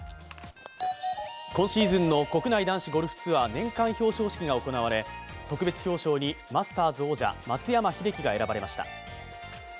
今シーズンの国内男子ゴルフツアー年間表彰式が行われ、特別表彰にマスターズ王者松山英樹が選ばれました。